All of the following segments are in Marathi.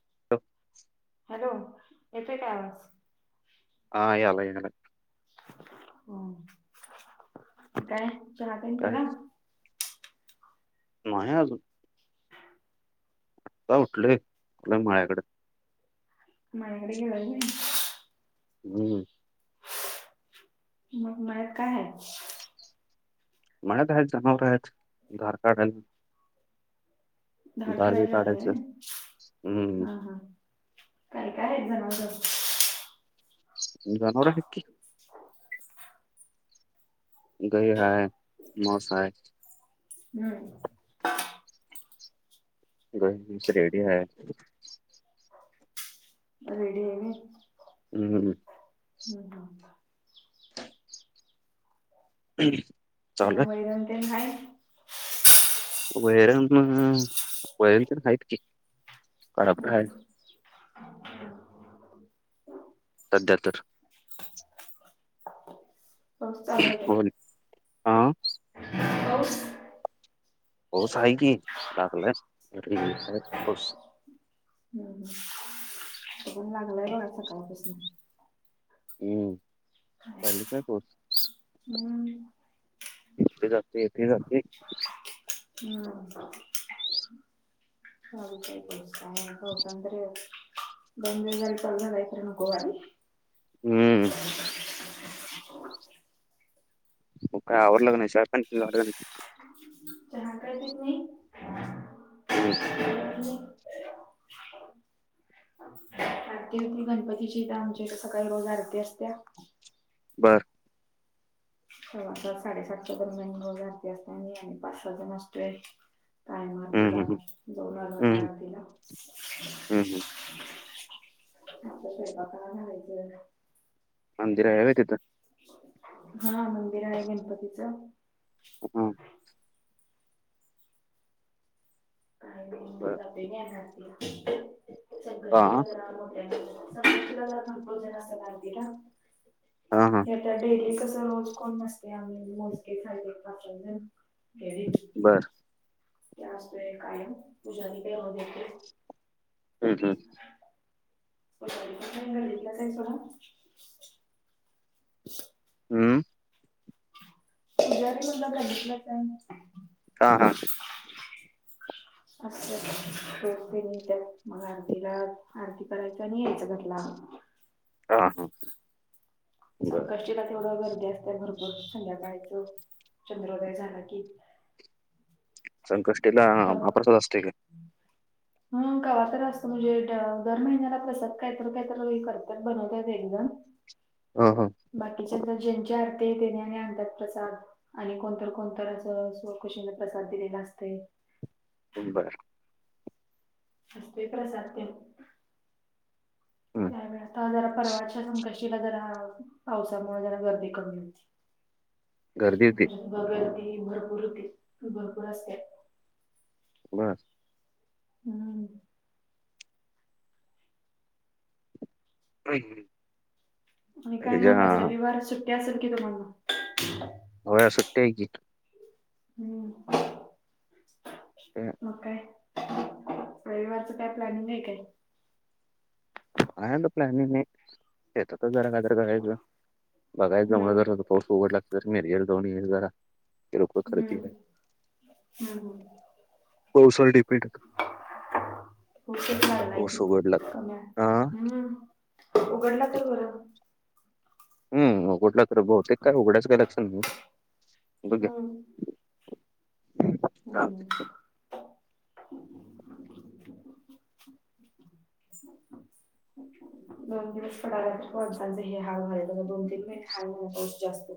[inaudible] हॅलो, येतोय का आवाज? हा, यायला [unintelligible] काय चहापाणी काय केला? नाही अजून. आता उठलोय. [unintelligible] माळ्याकडे. मळ्याकड गेलाय व्हई. हम्म. मग मळ्यात काय आहे? [unintelligible] धार बी काढायला जातो काढायचं व्हय. हम्म हा हा, काय काये [unintelligible] जनावर हायत की. गई हाय, म्हस हाय. हम्म. [unintelligible] रेडी आहेत. रेडी आहेत. हम्म हम्म. [inaudible] [inaudible] चालू आहे [inaudible] वैरण. वैरण पण हायत की. काळापड आहे हम्म [inaudible] सध्या तर. पाऊस चालू हाय काय? हो हा पाऊस पाऊस आहे की, लागलंय. [unintelligible] पाऊस. हम्म, ऊन लागलंय बघा, सकाळपासून. हम्म, चालूच आहे पाऊस. हम्म येतंय जातंय, येतंय जातंय. हम्म, [unintelligible] [inaudible] हम्म. मग काय आवरलं का नाही? चहापाणी ते न झालं का नाही? चहा काय पीत नाही. हम्म. आरती होती गणपतीची त्या म्हणजे सकाळी रोज आरती असत्या. बरं. सव्वा सात, साडेसातच्या दरम्यान रोज आरती असतीया, मी आणि पाच सहा जण असत्यात. काय [unintelligible] हम्म हम्म जाऊन आलो हम्म आता आरतीला. हम्म हम्म आता स्वयंपाक करायला घ्यायचंय. मंदिर हाय व्हय तिथं? हा, मंदिर आहे गणपतीचं. हम्म. [unintelligible] संकष्टीला बर हा जरा मोठ्यानं संकष्टीला जरा धावपळ होत्या ना जरा आरतीला. हा हा. आता डेली कसं रोज कोण नसतय आम्ही मोजकेच आहे पाच सहा जण बरं. त्या असतोय कायम पूजारी तेे हम्म हम्म. [unintelligible] गल्लीतल्याच आहेत सोडा. [inaudible] अं पुजारी पण गल्लीतलाच हाय. हा हा. [inaudible] असनी त्या मग आरतीला आरती करायच आणि यायच घरला. हा हा. बर संकष्टिला तेथवढं गर्दी असत्या भरपूर संध्याकाळच चंद्रोदय झालं की. संकष्टीला महाप्रसाद असतोय काय? ह कावा तर असतं म्हणजे दर महिन्याला प्रसाद काहीतर काहीतर करत्यात बनवत्यात एकजण हा हा. बाकीच्या ज्यांच्या आरती तेणी आणि आणतात प्रसाद. आणि कोणतर कोणतर स्वखुशीनं प्रसाद दिलेला असतय. बरं. असतोय प्रसाद तेन हम्म त्यावेळेस जरा परवाच्या संक अष्टमीला जरा पावसामुळं जरा गर्दी कमी होती गर्दी होती नाहीतर भगवती भरपूर होती भरपूर असत्यात. बर. हम्म. [inaudible] आणि काय ह्याच्या मग काय आज रविवार सुट्टी असेल की तुम्हाला? होय सुट्टी हाय की. हम्म मग काय? रविवारचं काय प्लॅनिंग आहे काय? काय आता प्लॅनिंग नाही. शेतातच जरा काय तर बघायचं जमलं तर, हम्म. आता पाऊस उघडला तर मिरजेला जाऊन येईल जरा किरकोळ खरेदी हम्म आहे हम्म. पाऊसावर डिफेंड पाऊस उघडला हा [unintelligible] हम्म. उघडला तर बरं. हम्म. उघडला तर बहुतेक काय उघडायचं तर लक्षण नाही बघुया. हम् हम्. दोन दिवस पडाला तर, माणसांचं हे हाल व्हायल्यात. दोन तीन महिने हाय म्हनं पाऊस जास्त.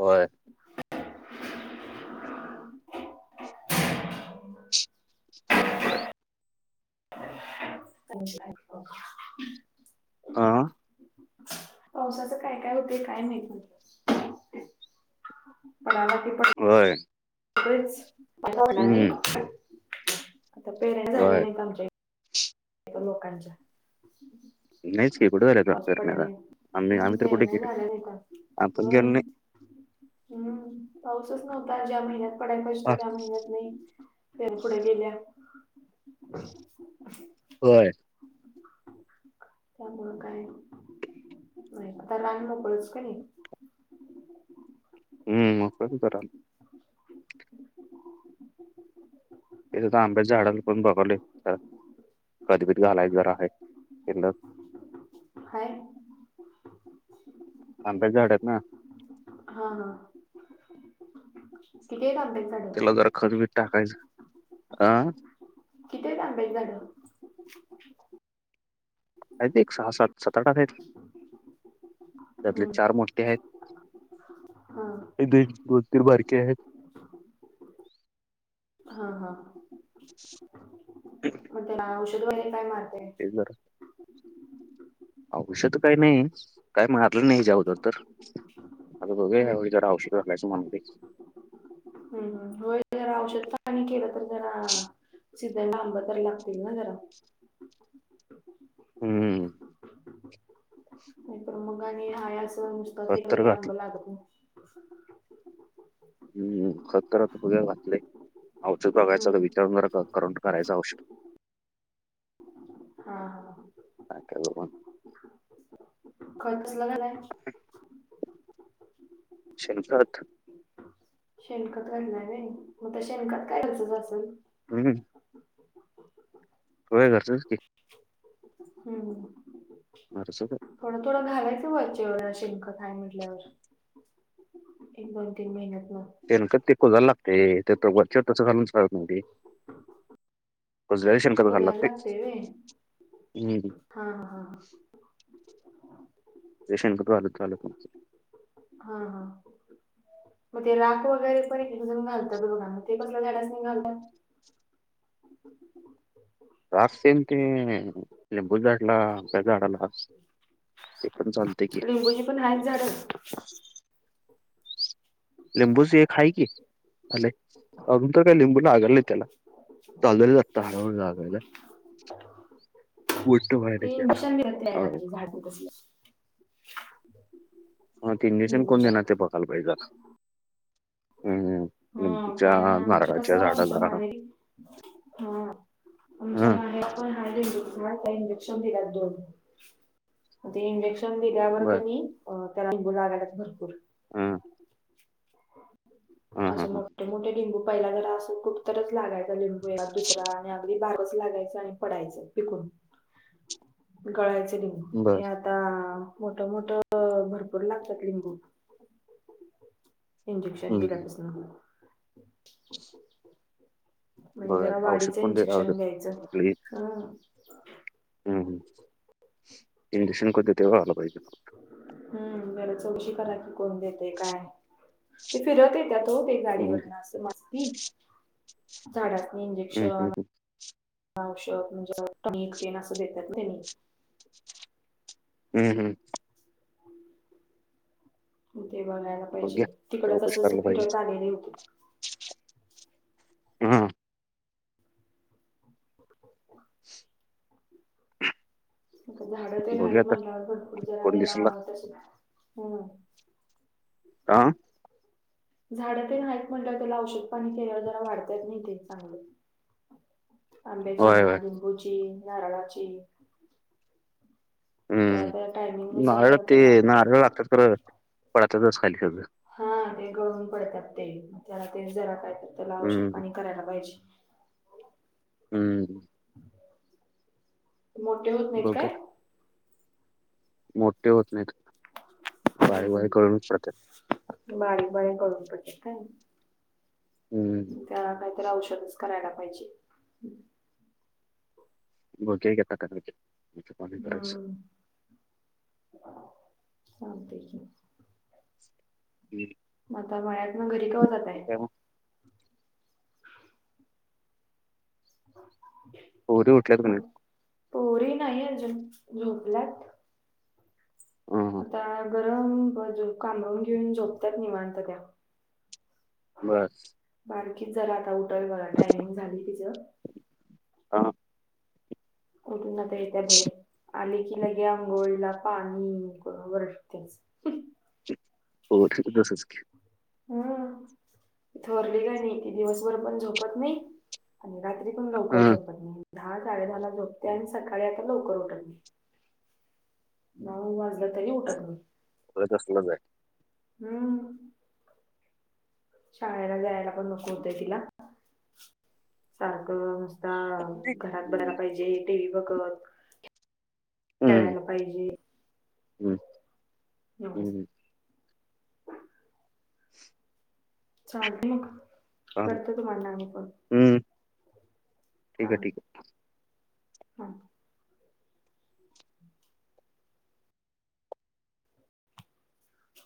होय. कुठे क [inaudible] आ? पावसाचं काय काय होते काय नाही माहीती? [unintelligible] होय. हम्म होय [unintelligible] लोकांच्या नाहीच की कुठे झालं का पाऊस करण्याला आम्ही नाही आम्ही तर कुठे पेरण्या गेले झाल्या लोकां आपण व्हय. गेलो नाही हम्म पाऊसच नव्हता ज्या महिन्यात पडायला पाहिजत आ, त्या महिन्यात नाही. पेरणी पुढे गेल्या. होय. त्यामुळं काय नाही आता रान मोकळंच क नाही. हम्. [unintelligible] तेच आता आंब्याच्या झाडाला पण बघालोय जरा खत बित जरा घालायचं जरा आहे. [unintelligible] हाय. आंब्याच्या झाड आहेत ना. हा हा. किती आहेत आंब्याच त्याला जरा खतबीत टाकायचं अं. किती आहेत आंब्याची झाडं? आहेत एक सहा, सात, सत, आठ आठ आहेत त्यातले हम्म चार मोठे आहेत. हा एक द दोन तीर बारके आहेत. हा हा. [inaudible] मग त्या औषध वगैरे काय मारत बर. औष्यत काही नाही काय मारलं नाही जवदर तर आता बघू याळी हम्म जर आवश्य घालायचं म्हणतोय. हम् होय जरा औषध पाणी केलं तर जरा सीझन ला आंब तर लागतील ना जरा. हम्म. नाहीतर मग आणि हाया अस नुसतंच खत तर ते आंब घातलं लागत नाहीत. हम्म खत तर आता बघ घातलंय अवचक बघायचं तर हम्म विचारून जरा ख करून करायचं होवशक हा हा अक बघ. खत कसलं घालाय? [inaudible] शेणखत. शेणखत घातलाय होय मग शेणखात काय घरचच असल? हम्. होय घरचच की. हम. [unintelligible] थोडंथोडं घालायचं व्हायचेव शेणखत हाय म्हटल्यावर. एक दोन तीन महिन्यातला. तेन तेको जाला लागते ते त वरच्या तसं घालून सळत नाही. कुजल्याल शेणखत घालाय लागतय. कुजायला हां हां ह. ते शेणखत घालून चालत नाही. हा हा मग ते राख वगैरे पण इकडून घालतात बघां म ते कसल्या झाडास नाही घालतात ह राखसमती लिंबूच्या झाडाला त्या झाडाला. ते पण चालत की. लिंबूची पण हा झाड लिंबूच एक आहे की झाले अजून तर काय लागलं नाही त्याला? चालोय तर आता [unintelligible] उलट बोलल्या शिवाय. भांडू नकोस. हा इंजेक्शन कोण लिंबूच्या देणार ते बघायला पाहिजे हम्म हा लिंबूच्या कारण आमच नारळाच्या कसं आमच्या झाडाला माहेरी हा हा आमच्या माहेरात. का इंजेक्शन दि दोन ते इंजेक्शन. दिल्यावर बर कणी त्याला लिंबू लागल्यात भरपूर. हम्म हा असं हा मोठे मोठे लिंबू पहिला जरा असं खूप तरच लागायचं. लिंबू या दुसरा आणि अगदी बारच लागायचं आहे. पडायच पिकून गळायच लि बर हे आता मोठ -मोठ भरपूर लागतात लिंबू इंजेक्शन हम्म हम्म. दिल्यापासन म्हणजे जरा बघायला औषध वाडीचं कोण दे इंजेक्शन औषध घ्यायचं [inaudible] हां हम्म इंजेक्शन कुत तेव आला पाहिजे. हम्म बर चौकशी करा की कोण देतय काय? ते फिरत येत्यात हो हम्म गाडीवरून अस मस्ती. झाडासनी हम्म इंजेक्शन हम्म औषध म्हणजे कणिक तेन असं देतात त्यांनी. हम्म हम्म. ते बघायला पाहिजे बघूया तिकड तस जस फिरत आलेली होतीत. हम्म [inaudible] आ झाडं तेन बघूया आहेत आता म्हटल्यावर भरपूर जरा कोण त्याला दिसला तस म्हणून. आ. झाड तेन हाईत म्हणल्यावर त्याला औषध पाणी केल्यावर जरा वाढत्याच की ते चांगलं आंब्याची होय होय म्हणा लिंबूची नारळाची. तर त्या हम्म टायमिंगनुसार नारळ जर ते त्याला नारळ आता तर पडतातच खाली सगळं. हा ते गळून पडतात ते मग त्याला ते जरा काय ते औषध हम्म पाणी. करायला पाहिजे. हम्म मोठे होत नाहीत बघूया काय? मोठे होत नाहीत बारीक बारीक हम्म गळूनच पडत्यात. बारीक बारीक गळून पडतात व्हय. हम्म त्याला काहीतरी औषधच करायला पाहिजे. बघूया आता काहीतरी. हम्म चालतंय की. हम् [unintelligible] म आता मळ्यात न घरी कवा जाताय? पोरी उठल्यात म का नाहीत पोरी नाहीे आजून झोपल्यात. हा हा आता गर गरम ब ज काबरून घेऊन झोपत्यात निवांत त्या. बर. बारकीच जरा आता उटल बघा टायमिंग झाल तिचं. आ. उठून आता येत्या बाहेर. आली कि लगे आंघोळीला पाणी करून वरडत्याच. हो [unintelligible] तसच की हम्म थोरली काय नाही, ती दिवसभर पण झोपत नाही आणि रात्री पण लवकर हं. झोपत नाही. धा साडे धा ला झोपते आणि सकाळी आता लवकर उठत नाही. नऊ वाजल तरी उठत नाही. व्हय तसलंच हाय. हूम्म. शाळेला जायला पण नको होतय तिला. सारखं हा घरात बघायला हम्म. पाहिजे, टी वी बघत खेळायला पाहिजे. हम् न्हवच [inaudible] चालतय मग, करते तुम्हाला आणि परत. हूम ठीक आहे. ठीक आहे. हां.